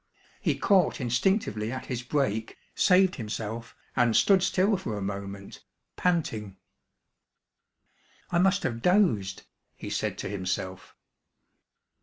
He caught instinctively at his brake, saved himself, and stood still for a moment, panting. "I must have dozed," he said to himself.